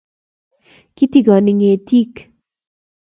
kitigoni ngetik